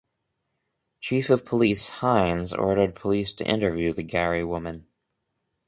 Chief of Police Heinz ordered police to interview the Gary woman.